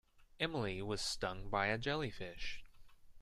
Emily was stung by a jellyfish.